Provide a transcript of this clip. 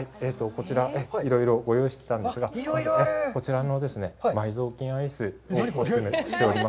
こちら、いろいろご用意してたんですが、こちらの埋蔵金アイスをお勧めしております。